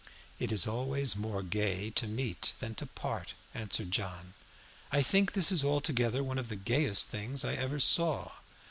"It is always more gay to meet than to part," answered John. "I think this is altogether one of the gayest things I ever saw.